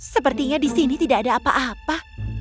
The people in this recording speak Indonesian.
sepertinya di sini tidak ada apa apa